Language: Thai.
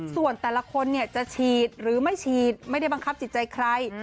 ส่วนแต่ละคนจะฉีดหรือไม่ฉีดไม่ได้บังคับจิตใจใคร